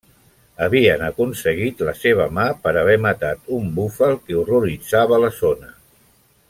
Havien aconseguit la seva mà per haver matat un búfal que horroritzava la zona.